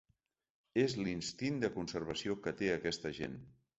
És l’instint de conservació que té aquesta gent.